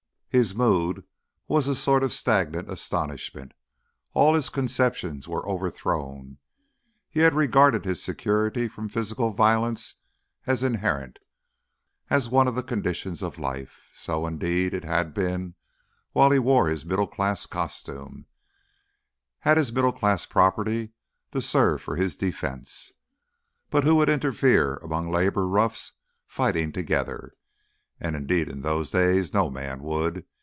His mood was a sort of stagnant astonishment. All his conceptions were overthrown. He had regarded his security from physical violence as inherent, as one of the conditions of life. So, indeed, it had been while he wore his middle class costume, had his middle class property to serve for his defence. But who would interfere among Labour roughs fighting together? And indeed in those days no man would.